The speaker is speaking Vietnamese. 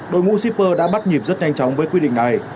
đội ngũ shipper đã bắt nhịp rất nhanh chóng với quy định này